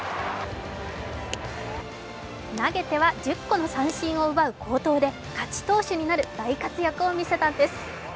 投げては１０個の三振を奪う好投で勝ち投手になる大活躍を見せたんです。